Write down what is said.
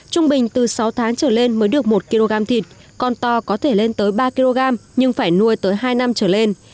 trung bình từ sáu tháng trở lên mới được một kg thịt con to có thể lên tới ba kg nhưng phải nuôi tới hai năm trở lên